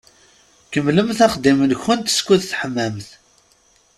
Kemmlemt axeddim-nkent skud teḥmamt.